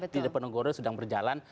di depan ngoro sudah berjalan